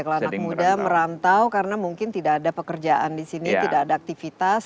kalau anak muda merantau karena mungkin tidak ada pekerjaan di sini tidak ada aktivitas